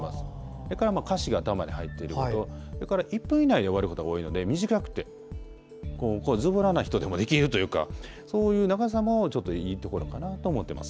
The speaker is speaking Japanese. それからまあ歌詞が頭に入っていることと１分以内で終わることが多いので短くてズボラな人でもできるというかそういう長さも、ちょっといいところかなと思ってます。